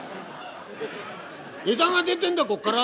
「枝が出てるんだここから！